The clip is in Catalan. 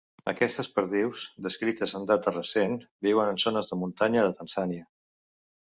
Aquestes perdius, descrites en data recent, viuen en zones de muntanya de Tanzània.